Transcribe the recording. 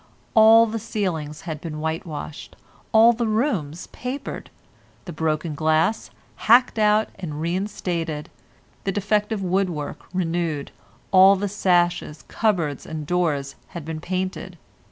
All the ceilings had been whitewashed, all the rooms papered, the broken glass hacked out and reinstated, the defective wood work renewed, all the sashes, cupboards and doors had been painted.